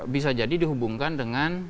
bisa jadi dihubungkan dengan